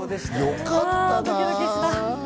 よかったな。